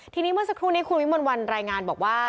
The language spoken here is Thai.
ทีนี้เมื่อสักครู่นี้คุณวิมลวันรายงานบอกว่า